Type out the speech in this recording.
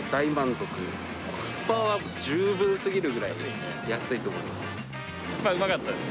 コスパは十分すぎるぐらい安いと思います。